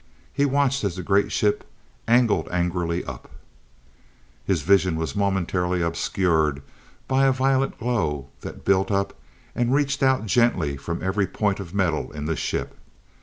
He watched as the great ship angled angrily up His vision was momentarily obscured by a violet glow that built up and reached out gently from every point of metal in the ship.